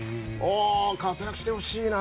活躍してほしいな！